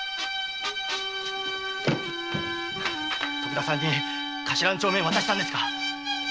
徳田さんにカシラの帳面渡したんですか！